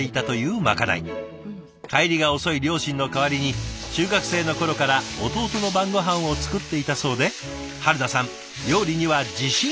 帰りが遅い両親の代わりに中学生の頃から弟の晩ごはんを作っていたそうで春菜さん料理には自信あり。